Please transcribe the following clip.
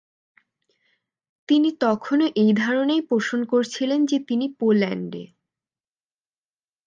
তিনি তখনও এই ধারণাই পোষণ করছিলেন যে তিনি পোল্যান্ডে